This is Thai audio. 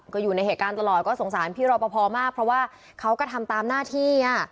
ก็อยู่ในเหตุการณ์ตลอดก็สงสารพี่รอปภมากเพราะว่าเขาก็ทำตามหน้าที่